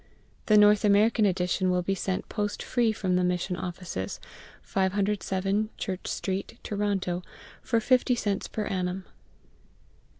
The North American edition will be sent post free from the Mission Offices, 507 Church Street, Toronto, for 50 cents per annum.